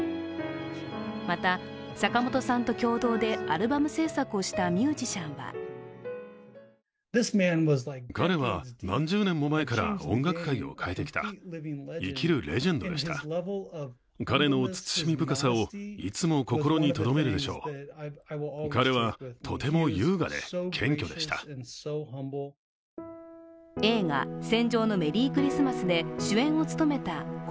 また、坂本さんと共同でアルバム制作をしたミュージシャンは映画「戦場のメリークリスマス」で主演を務めた故